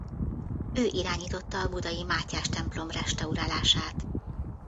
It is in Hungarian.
Ő irányította a budai Mátyás-templom restaurálását.